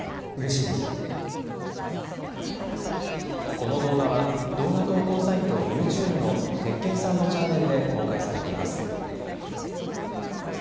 この動画は、動画投稿サイト、ＹｏｕＴｕｂｅの鉄拳さんのチャンネルで公開されています。